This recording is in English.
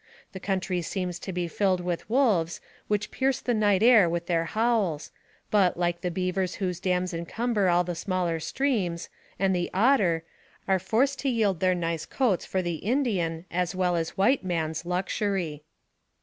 The country seems to be filled with wolves, which pierce the night air with their howls, but, like the beavers whose dams incumber all the smaller streams, and the otter, are forced to yield their nice coats for the Indian as well as white man's luxury.